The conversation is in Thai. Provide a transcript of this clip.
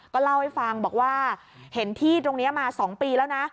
ก็เล่าให้ฟังบอกว่าเห็นที่ตรงนี้มา๒ปีแล้วนะ